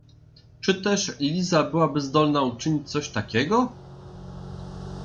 Czy też Liza byłaby zdolna uczynić coś takiego?